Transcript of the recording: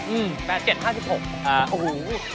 อืม๗หาร๕๖อ่าโอ้โฮ